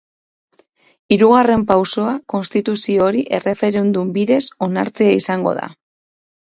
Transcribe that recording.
Hirugarren pausoa konstituzio hori erreferendum bidez onartzea izango da.